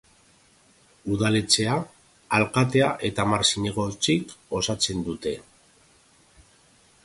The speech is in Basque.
Udaletxea alkatea eta hamar zinegotzik osatzen dute.